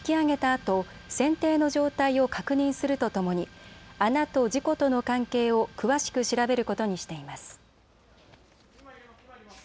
あと船底の状態を確認するとともに穴と事故との関係を詳しく調べることにしています。